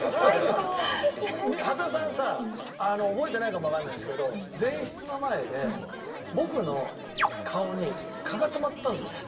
羽田さんさ覚えてないかもわかんないですけど前室の前で僕の顔に蚊が止まったんですよ。